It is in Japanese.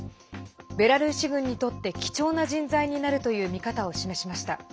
ベラルーシ軍にとって貴重な人材になるという見方を示しました。